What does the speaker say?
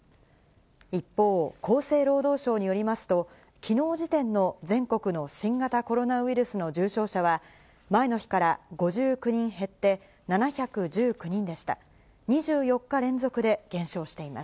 一方、厚生労働省によりますと、きのう時点の全国の新型コロナウイルスの重症者は、前の日から５９人減って７１９人でした。